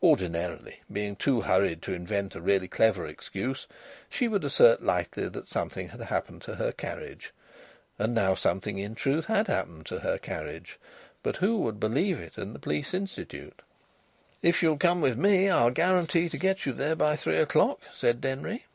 Ordinarily, being too hurried to invent a really clever excuse, she would assert lightly that something had happened to her carriage. And now something in truth had happened to her carriage but who would believe it at the Police Institute? "If you'll come with me I'll guarantee to get you there by three o'clock," said Denry.